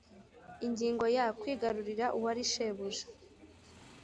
Ingingo ya Kwigarura uwari shebuja